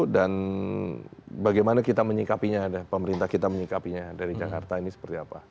dan bagaimana kita menyingkapinya pemerintah kita menyingkapinya dari jakarta ini seperti apa